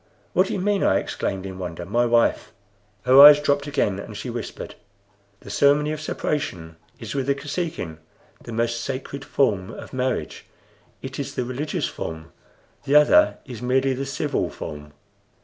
"What do you mean?" I exclaimed, in wonder. "My wife!" Her eyes dropped again, and she whispered: "The ceremony of separation is with the Kosekin the most sacred form of marriage. It is the religious form; the other is merely the civil form."